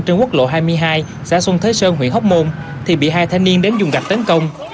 trên quốc lộ hai mươi hai xã xuân thế sơn huyện hóc môn thì bị hai thanh niên đến dùng gạch tấn công